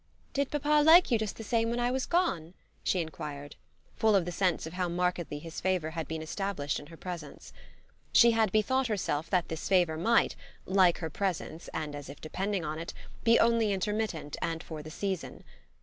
"Did papa like you just the same while I was gone?" she enquired full of the sense of how markedly his favour had been established in her presence. She had bethought herself that this favour might, like her presence and as if depending on it, be only intermittent and for the season.